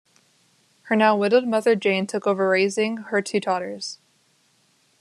Her now widowed mother Jane took over raising her two daughters.